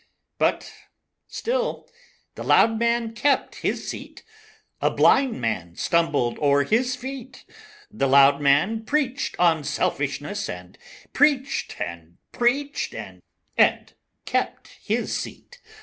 V But still the Loud Man kept his seat; A Blind Man stumbled o'er his feet; The Loud Man preached on selfishness, And preached, and preached, and kept his seat.